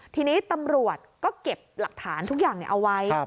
ทีนี้ตำรวจก็เก็บหลักฐานทุกอย่างเอาไว้